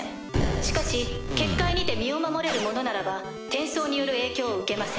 しかし結界にて身を守れる者ならば転送による影響を受けません。